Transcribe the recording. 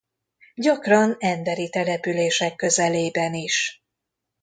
Gyakran emberi települések közelében is.